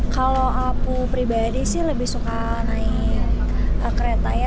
kalau aku pribadi lebih suka naik kereta